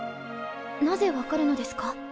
なぜ分かるのですか？